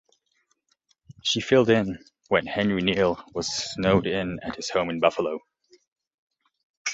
She filled in when Harry Neale was snowed in at his home in Buffalo.